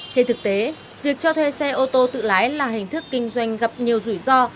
trên thực tế việc cho thuê xe ô tô tự lái là hình thức kinh doanh gặp nhiều rủi ro